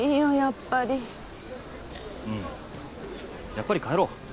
やっぱり帰ろう。